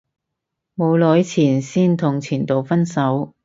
冇耐前先同前度分手